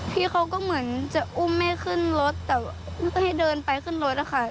พี่เขาก็เหมือนจะอุ้มแม่ขึ้นรถแต่ไม่ค่อยให้เดินไปขึ้นรถอะค่ะ